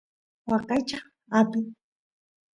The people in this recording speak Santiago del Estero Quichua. waqaychaq apin